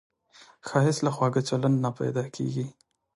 ښایست له خواږه چلند نه پیدا کېږي